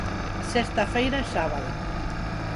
Sexta feira e sábado.